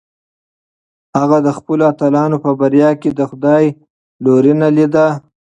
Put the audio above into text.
هغه د خپلو اتلانو په بریا کې د خدای لورینه لیده.